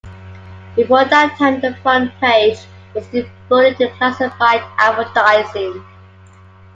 Before that time the front page was devoted to classified advertising.